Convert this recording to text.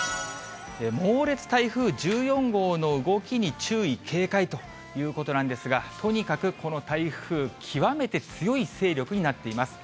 猛烈台風１４号の動きに注意、警戒ということなんですが、とにかくこの台風、極めて強い勢力になっています。